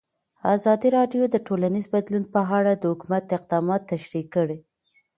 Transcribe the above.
ازادي راډیو د ټولنیز بدلون په اړه د حکومت اقدامات تشریح کړي.